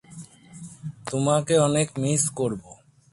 তোমাকে অনেক মিস করব।